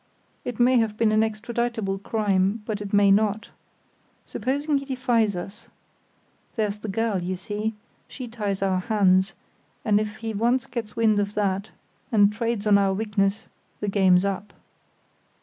It may have been an extraditable crime, but it may not. Supposing he defies us? There's the girl, you see—she ties our hands, and if he once gets wind of that, and trades on our weakness, the game's up."